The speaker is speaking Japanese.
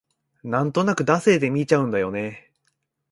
なんとなく惰性で見ちゃうんだよね